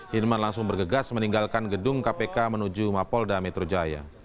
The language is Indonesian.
hilman langsung bergegas meninggalkan gedung kpk menuju mapolda metro jaya